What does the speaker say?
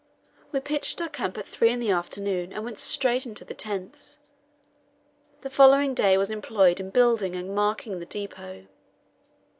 We pitched our camp at three in the afternoon, and went straight into the tents. The following day was employed in building and marking the depot.